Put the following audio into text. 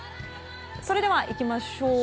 それでは行きましょう。